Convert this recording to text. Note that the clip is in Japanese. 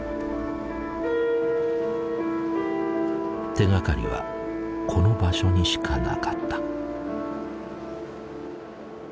手がかりはこの場所にしかなかった。